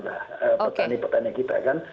nah petani petani kita kan